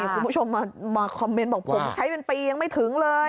คุณผู้ชมมาคอมเมนต์บอกผมใช้เป็นปียังไม่ถึงเลย